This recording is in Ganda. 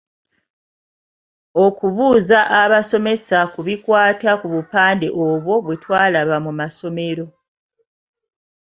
Okubuuza abasomesa ku bikwata ku bupande obwo bwe twalaba mu masomero.